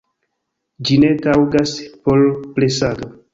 Ĝi ne taŭgas por presado.